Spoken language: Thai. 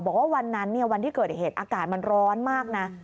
บอกว่าวันนั้นวันที่เกิดเหตุอากาศมันร้อนมากนะ